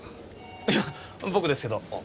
いや僕ですけど。